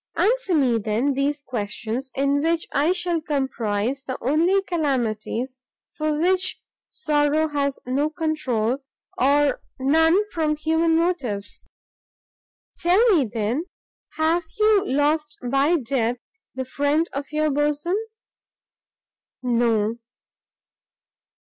"Answer me, then, these questions, in which I shall comprise the only calamities for which sorrow has no controul, or none from human motives. Tell me, then, have you lost by death the friend of your bosom?" "No!"